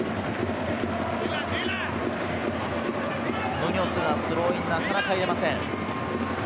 ムニョスがスローイン、なかなか入れません。